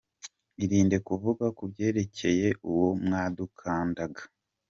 Irinde kuvuga ku byerekeye uwo mwakundanaga.